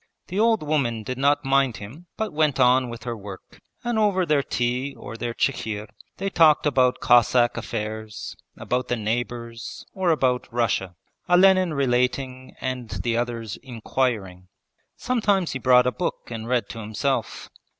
The old woman did not mind him but went on with her work, and over their tea or their chikhir they talked about Cossack affairs, about the neighbours, or about Russia: Olenin relating and the others inquiring. Sometimes he brought a book and read to himself.